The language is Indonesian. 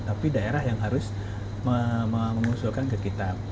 tapi daerah yang harus mengusulkan ke kita